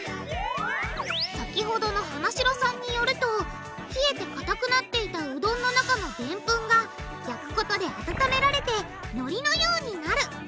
先ほどの花城さんによると冷えてかたくなっていたうどんの中のでんぷんが焼くことで温められてのりのようになる。